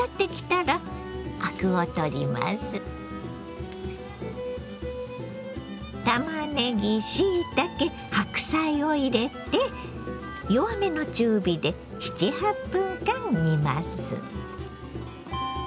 たまねぎしいたけ白菜を入れて弱めの中火で７８分間煮ます。